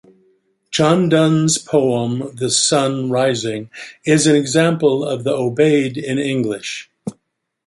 John Donne's poem "The Sunne Rising" is an example of the aubade in English.